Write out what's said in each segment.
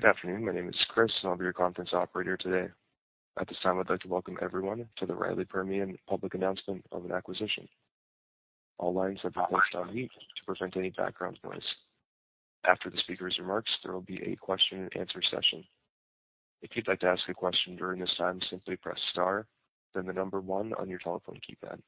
Good afternoon. My name is Chris, and I'll be your conference operator today. At this time, I'd like to welcome everyone to the Riley Permian public announcement of an acquisition. All lines have been placed on mute to prevent any background noise. After the speaker's remarks, there will be a question-and-answer session. If you'd like to ask a question during this time, simply press star, then the number one on your telephone keypad.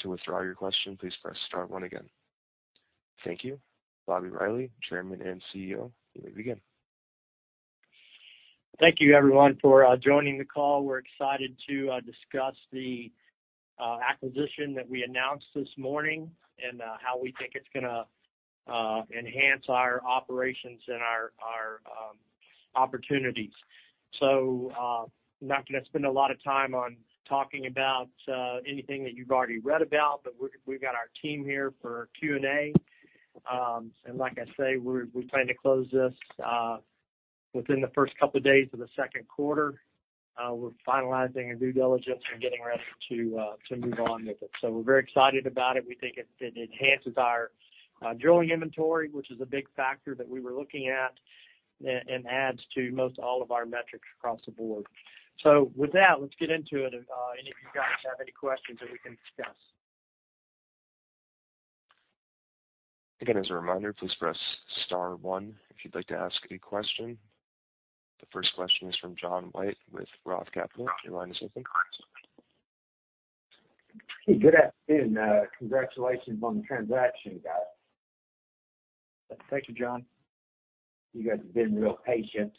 To withdraw your question, please press star one again. Thank you. Bobby Riley, Chairman and CEO, you may begin. Thank you, everyone, for joining the call. We're excited to discuss the acquisition that we announced this morning and how we think it's gonna enhance our operations and our opportunities. I'm not gonna spend a lot of time on talking about anything that you've already read about, but we got our team here for Q&A. And like I say, we plan to close this within the first couple of days of the second quarter. We're finalizing our due diligence and getting ready to move on with it. We're very excited about it. We think it enhances our drilling inventory, which is a big factor that we were looking at, and adds to most all of our metrics across the board. With that, let's get into it, and if you guys have any questions that we can discuss. As a reminder, please press star one if you'd like to ask any question. The first question is from John White with Roth Capital. Your line is open. Hey, good afternoon. Congratulations on the transaction, guys. Thank you, John. You guys have been real patient,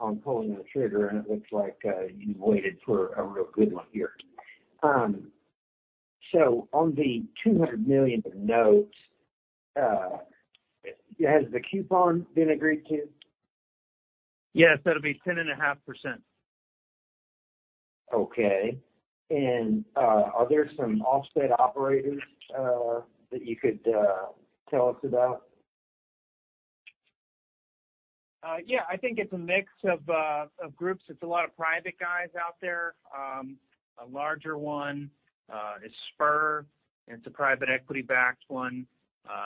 on pulling the trigger, and it looks like, you waited for a real good one here. On the $200 million of notes, has the coupon been agreed to? Yes, that'll be 10.5%. Okay. Are there some offset operators that you could tell us about? Yeah, I think it's a mix of groups. It's a lot of private guys out there. A larger one is Spur. It's a private equity backed one.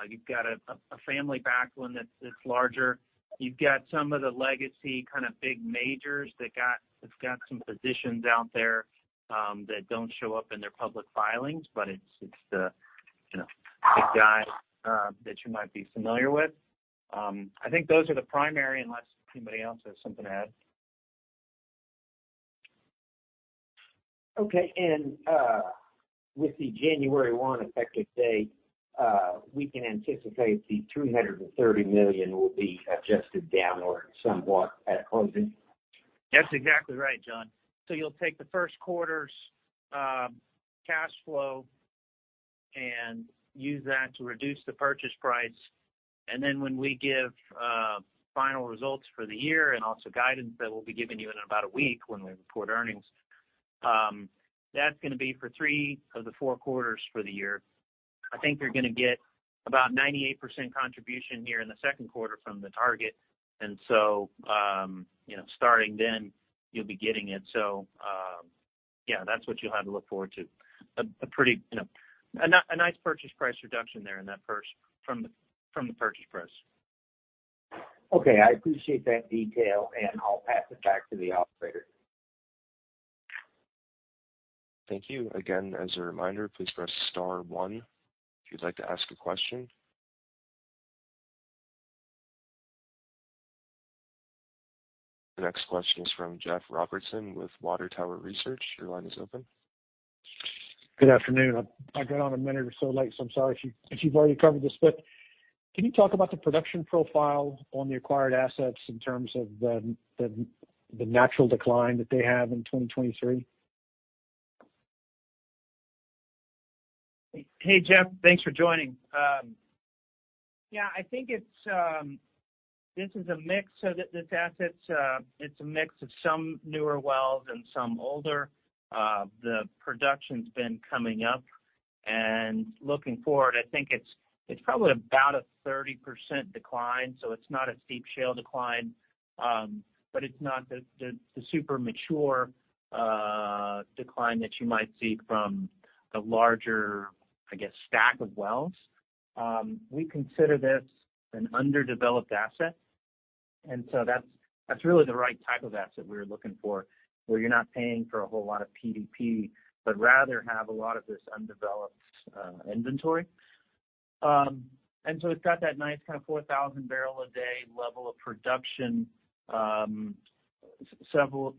You've got a family backed one that's larger. You've got some of the legacy kinda big majors that have got some positions out there that don't show up in their public filings. It's the, you know, big guys that you might be familiar with. I think those are the primary unless anybody else has something to add. Okay. With the January 1 effective date, we can anticipate the $330 million will be adjusted downward somewhat at closing? That's exactly right, John. You'll take the first quarter's cash flow and use that to reduce the purchase price. When we give final results for the year and also guidance that we'll be giving you in about a week when we report earnings, that's gonna be for three of the four quarters for the year. I think you're gonna get about 98% contribution here in the second quarter from the target. You know, starting then you'll be getting it. Yeah, that's what you'll have to look forward to. A pretty, you know, nice purchase price reduction there from the purchase price. Okay. I appreciate that detail, and I'll pass it back to the operator. Thank you. Again, as a reminder, please press star one if you'd like to ask a question. The next question is from Jeff Robertson with Water Tower Research. Your line is open. Good afternoon. I got on a minute or so late, so I'm sorry if you've already covered this. Can you talk about the production profile on the acquired assets in terms of the natural decline that they have in 2023? Hey, Jeff. Thanks for joining. Yeah, I think this is a mix, so this asset's a mix of some newer wells and some older. The production's been coming up, looking forward, I think it's probably about a 30% decline, so it's not a steep shale decline. It's not the super mature decline that you might see from the larger, I guess, stack of wells. We consider this an underdeveloped asset, that's really the right type of asset we're looking for, where you're not paying for a whole lot of PDP, but rather have a lot of this undeveloped inventory. It's got that nice kinda 4,000 barrel a day level of production. Several...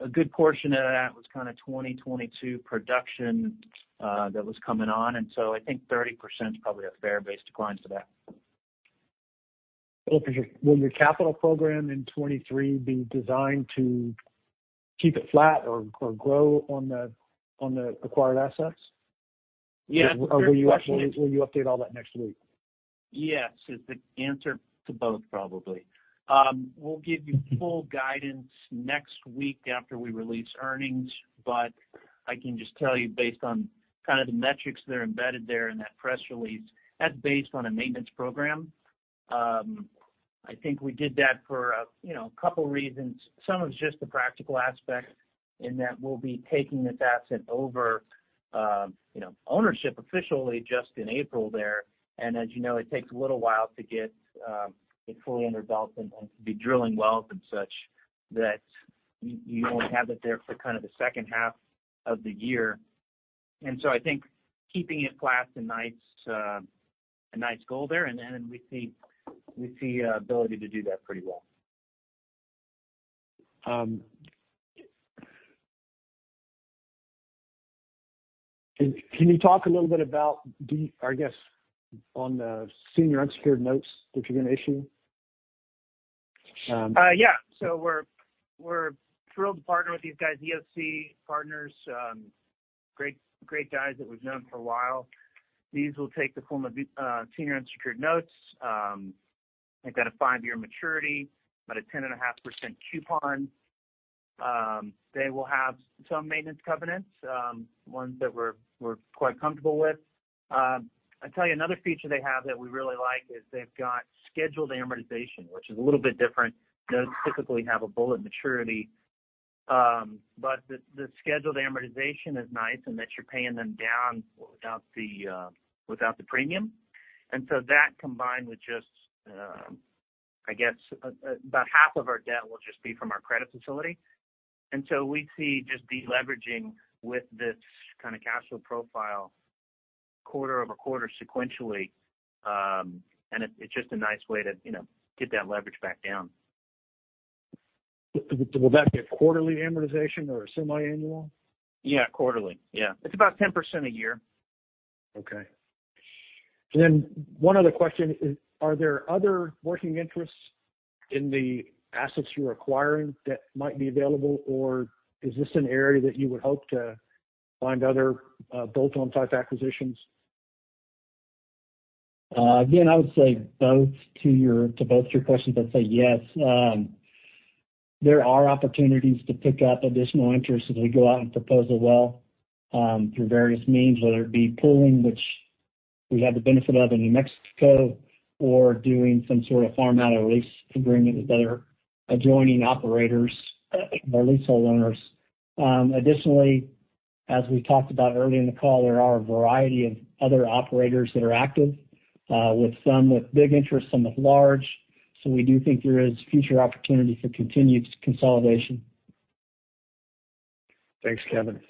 A good portion of that was kinda 2022 production that was coming on. I think 30% is probably a fair base decline for that. Will your capital program in 2023 be designed to keep it flat or grow on the acquired assets? Yeah. Will you update all that next week? Yes, is the answer to both, probably. We'll give you full guidance next week after we release earnings, but I can just tell you based on kinda the metrics that are embedded there in that press release, that's based on a maintenance program. I think we did that for, you know, a couple reasons. Some of it's just the practical aspect. In that we'll be taking this asset over, you know, ownership officially just in April there. As you know, it takes a little while to get it fully under belt and to be drilling wells and such that you only have it there for kind of the second half of the year. I think keeping it flat's a nice, a nice goal there. Then we see ability to do that pretty well. Can you talk a little bit about or I guess, on the senior unsecured notes that you're gonna issue? Yeah. We're thrilled to partner with these guys, EOC Partners, great guys that we've known for a while. These will take the form of senior unsecured notes. They've got a five-year maturity at a 10.5% coupon. They will have some maintenance covenants, ones that we're quite comfortable with. I'll tell you another feature they have that we really like is they've got scheduled amortization, which is a little bit different. Those typically have a bullet maturity. But the scheduled amortization is nice in that you're paying them down without the premium. That combined with just, I guess, about half of our debt will just be from our credit facility. We see just deleveraging with this kinda cash flow profile quarter-over-quarter sequentially. It's just a nice way to, you know, get that leverage back down. Will that be a quarterly amortization or a semiannual? Yeah, quarterly. Yeah. It's about 10% a year. Okay. One other question is, are there other working interests in the assets you're acquiring that might be available, or is this an area that you would hope to find other bolt-on type acquisitions? Again, I would say both to your questions. I'd say yes. There are opportunities to pick up additional interests as we go out and propose a well through various means, whether it be pooling, which we have the benefit of in New Mexico, or doing some sort of farm-out or lease agreement with other adjoining operators or leasehold owners. Additionally, as we talked about earlier in the call, there are a variety of other operators that are active, with some with big interests, some with large. We do think there is future opportunity for continued consolidation. Thanks, Kevin.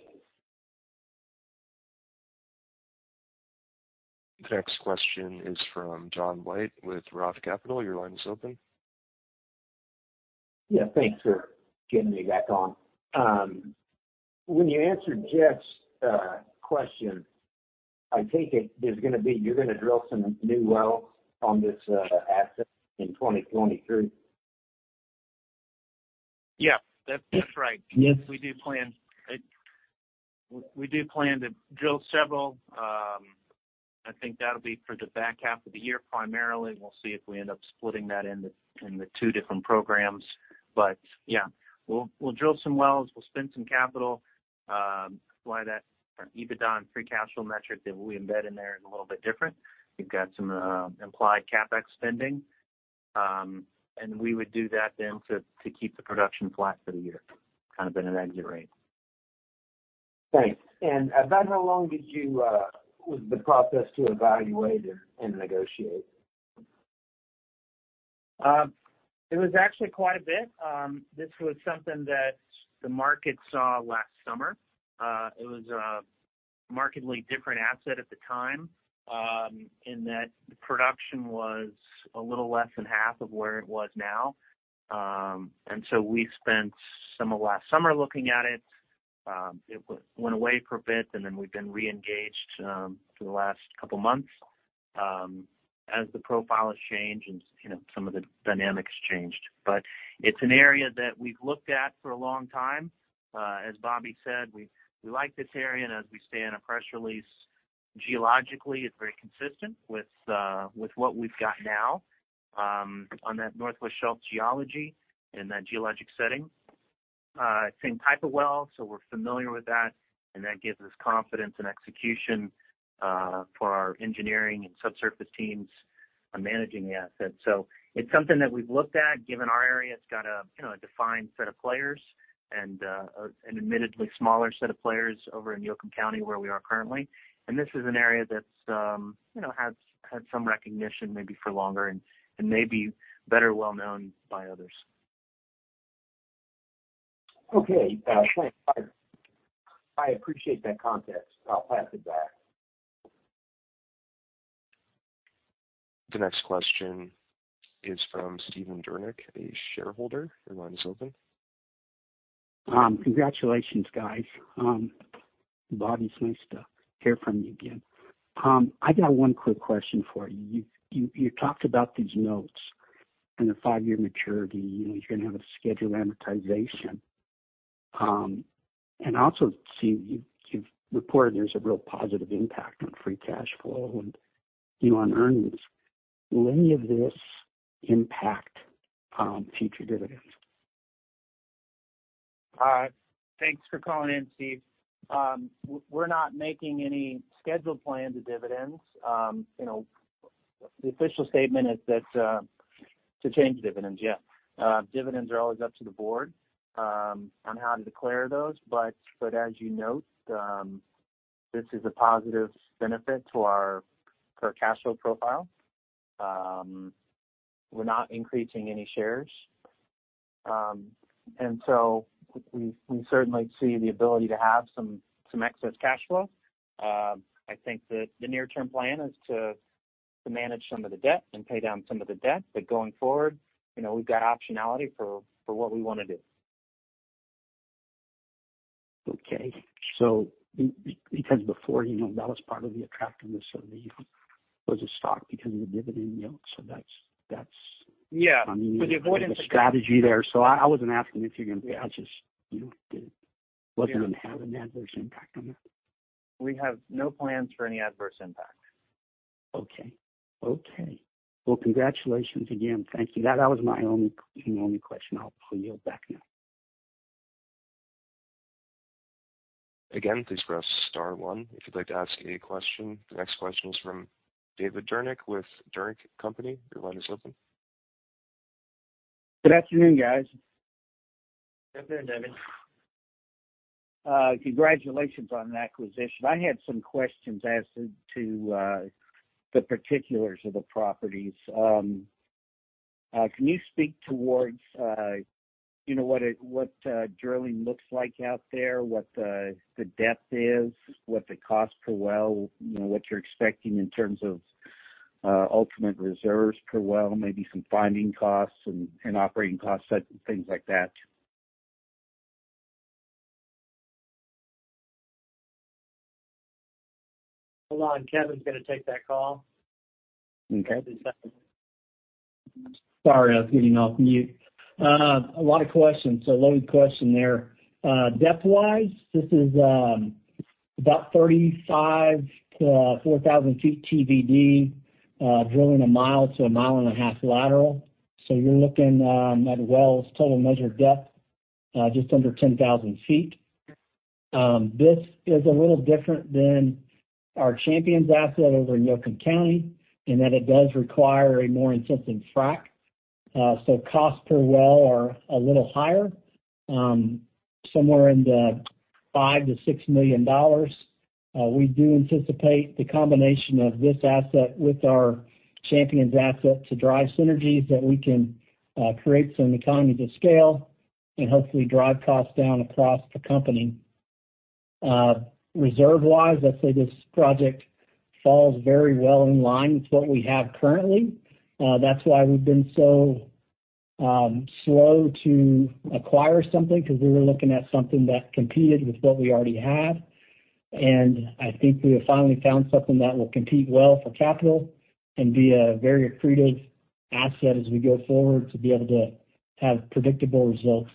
The next question is from John White with Roth Capital. Your line is open. Yeah. Thanks for getting me back on. When you answered Jeff's question, I take it you're gonna drill some new wells on this asset in 2023. Yeah. That's right. Yes. We do plan to drill several. I think that'll be for the back half of the year, primarily. We'll see if we end up splitting that into 2 different programs. We'll drill some wells. We'll spend some capital. Why that EBITDA and free cash flow metric that we embed in there is a little bit different. We've got some implied CapEx spending. We would do that then to keep the production flat for the year, kind of at an exit rate. Thanks. About how long was the process to evaluate and negotiate? It was actually quite a bit. This was something that the market saw last summer. It was a markedly different asset at the time, in that the production was a little less than half of where it was now. We spent some of last summer looking at it. It went away for a bit, and then we've been re-engaged for the last couple months, as the profile has changed and, you know, some of the dynamics changed. It's an area that we've looked at for a long time. As Bobby said, we like this area. As we say in our press release, geologically, it's very consistent with what we've got now, on that Northwest Shelf geology in that geologic setting. Same type of well, so we're familiar with that, and that gives us confidence in execution for our engineering and subsurface teams on managing the asset. It's something that we've looked at, given our area's got a, you know, a defined set of players and an admittedly smaller set of players over in Yoakum County where we are currently. This is an area that's, you know, has had some recognition maybe for longer and may be better well-known by others. Thanks. I appreciate that context. I'll pass it back. The next question is from Stephen Dernick, a shareholder. Your line is open. Congratulations, guys. Bobby, it's nice to hear from you again. I got one quick question for you. You talked about these notes and the 5-year maturity, you know, you're gonna have a scheduled amortization. Also, Steve, you've reported there's a real positive impact on free cash flow and on earnings. Will any of this impact future dividends? Thanks for calling in, Steve. We're not making any scheduled plans of dividends. You know. The official statement is that to change the dividends, yeah. Dividends are always up to the board on how to declare those. But as you note, this is a positive benefit to our cash flow profile. We're not increasing any shares. So we certainly see the ability to have some excess cash flow. I think the near-term plan is to manage some of the debt and pay down some of the debt. Going forward, you know, we've got optionality for what we wanna do. Okay. Because before, you know, that was part of the attractiveness of the, was the stock because of the dividend yield. That's. Yeah. I mean, a strategy there. I wasn't asking. I just, you know, wasn't gonna have an adverse impact on that. We have no plans for any adverse impact. Okay. Okay. Congratulations again. Thank you. That was my only question. I'll yield back now. Again, please press star 1 if you'd like to ask a question. The next question is from David Dernick with Dernick Company. Your line is open. Good afternoon, guys. Right there, David. Congratulations on the acquisition. I had some questions as to the particulars of the properties. Can you speak towards, you know, what drilling looks like out there? What the depth is? What the cost per well? You know, what you're expecting in terms of ultimate reserves per well? Maybe some finding costs and operating costs, such things like that. Hold on. Kevin's gonna take that call. Okay. Just a second. Sorry, I was getting off mute. A lot of questions. Loaded question there. Depth-wise, this is about 3,500 to 4,000 feet TVD, drilling a 1 mile to 1.5 mile lateral. You're looking at wells total measured depth just under 10,000 feet. This is a little different than our Champions asset over in Yoakum County, in that it does require a more intensive frack, so cost per well are a little higher, somewhere in the $5 million-$6 million. We do anticipate the combination of this asset with our Champions asset to drive synergies that we can create some economies of scale and hopefully drive costs down across the company. Reserve-wise, I'd say this project falls very well in line with what we have currently. That's why we've been so slow to acquire something, 'cause we were looking at something that competed with what we already had. I think we have finally found something that will compete well for capital and be a very accretive asset as we go forward to be able to have predictable results.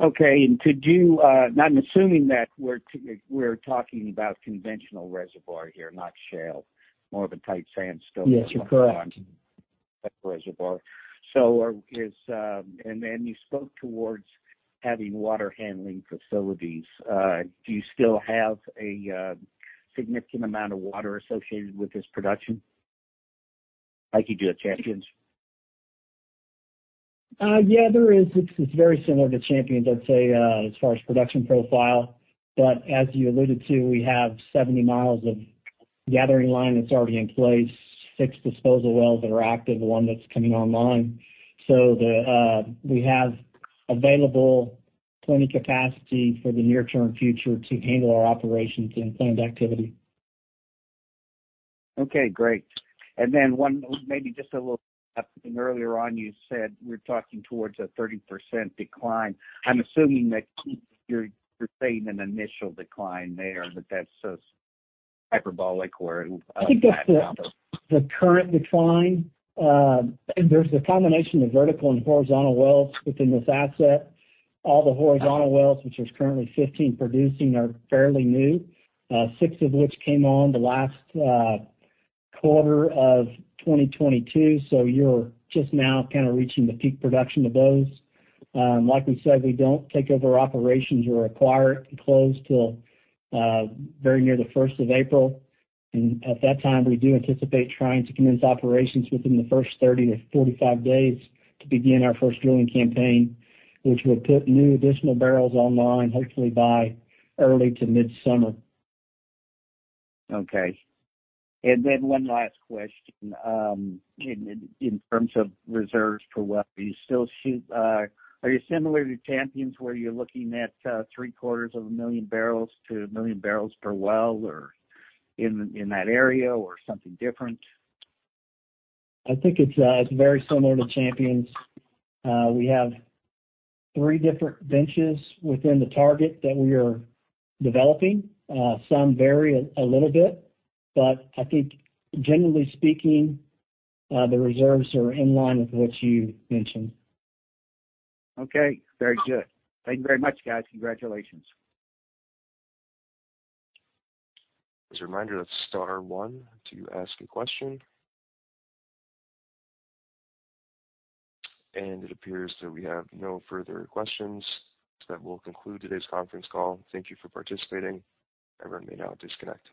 Okay. Could you... I'm assuming that we're talking about conventional reservoir here, not shale, more of a tight sandstone... Yes, you're correct. -type reservoir. You spoke towards having water handling facilities. Do you still have a significant amount of water associated with this production like you do at Champions? Yeah, there is. It's, it's very similar to Champions, I'd say, as far as production profile. As you alluded to, we have 70 miles of gathering line that's already in place, 6 disposal wells that are active, 1 that's coming online. The, we have available plenty capacity for the near-term future to handle our operations and planned activity. Okay, great. One, maybe just a little following up. Earlier on, you said we're talking towards a 30% decline. I'm assuming that you're saying an initial decline there, but that's just hyperbolic or flat number. I think that's the current decline. There's a combination of vertical and horizontal wells within this asset. All the horizontal wells, which there's currently 15 producing, are fairly new, 6 of which came on the last quarter of 2022, so you're just now kinda reaching the peak production of those. Like we said, we don't take over operations or acquire it and close till very near the first of April. At that time, we do anticipate trying to commence operations within the first 30-45 days to begin our first drilling campaign, which will put new additional barrels online, hopefully by early to mid-summer. Okay. One last question. In terms of reserves per well, are you similar to Champions, where you're looking at three-quarters of a million barrels to 1 million barrels per well or in that area or something different? I think it's very similar to Champions. We have three different benches within the target that we are developing. Some vary a little bit, but I think generally speaking, the reserves are in line with what you mentioned. Okay, very good. Thank you very much, guys. Congratulations. As a reminder, that's star one to ask a question. It appears that we have no further questions. That will conclude today's conference call. Thank you for participating. Everyone may now disconnect.